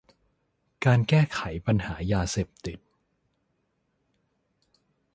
การแก้ไขปัญหายาเสพติด